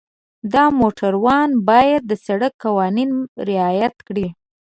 د موټروان باید د سړک قوانین رعایت کړي.